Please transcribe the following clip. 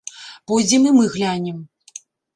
Пойдзем і мы глянем.